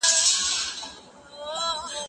د شاګرد مسؤلیت د استاد تر مسؤلیت ډېر دی.